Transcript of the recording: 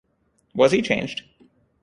Was he changed?